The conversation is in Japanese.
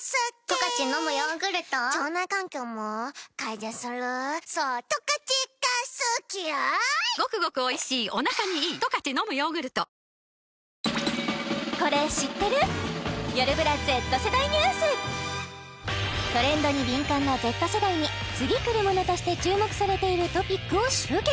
「十勝のむヨーグルト」トレンドに敏感なＺ世代に次くるものとして注目されているトピックを集結